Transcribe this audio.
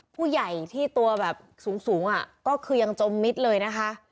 ผู้ใหญ่ที่ตัวแบบสูงก็คือยังจมมิดเลยนะคะ